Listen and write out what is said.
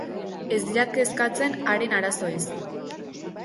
Ez dira kezkatzen haren arazoez.